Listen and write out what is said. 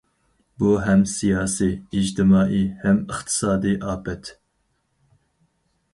بۇ ھەم سىياسىي، ئىجتىمائىي، ھەم ئىقتىسادىي ئاپەت.